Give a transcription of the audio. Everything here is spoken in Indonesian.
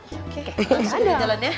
masuk dulu ke jalannya